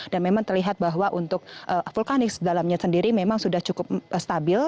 dan memang terlihat bahwa untuk vulkanis dalamnya sendiri memang sudah cukup stabil